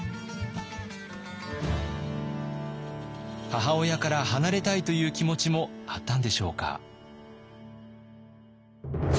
母親から離れたいという気持ちもあったんでしょうか。